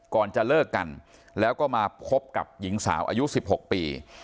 ก่อนจะเลิกกันแล้วก็มาพบกับหญิงสาวอายุ๑๖ปี